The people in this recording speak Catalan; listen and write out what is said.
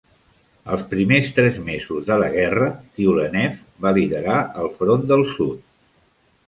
Els primers tres mesos de la guerra, Tyulenev va liderar el Front del Sud.